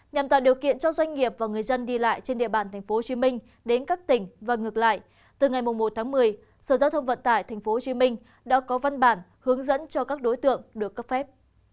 nhằm tạo điều kiện cho doanh nghiệp và người dân đi lại trên địa bàn tp hcm đến các tỉnh và ngược lại từ ngày một tháng một mươi sở giao thông vận tải tp hcm đã có văn bản hướng dẫn cho các đối tượng được cấp phép